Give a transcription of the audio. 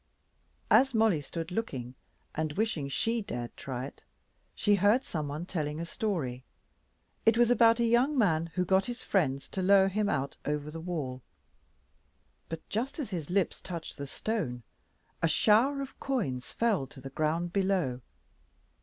As Mollie stood looking and wishing she dared try it, she heard some one telling a story. It was about a young man who got his friends to lower him out over the wall. But, just as his lips touched the stone, a shower of coins fell to the ground below.